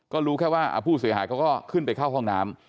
ก็รู้แค่ว่าผู้เสียหายเขาก็ขึ้นไปเข้าห้องน้ำ